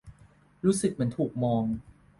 รู้สึกเหมือนถูกมอง